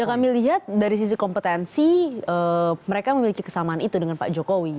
ya kami lihat dari sisi kompetensi mereka memiliki kesamaan itu dengan pak jokowi